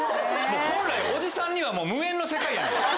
本来おじさんには無縁の世界やんか。